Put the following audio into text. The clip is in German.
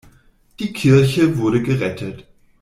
Die Kirche wurde gerettet.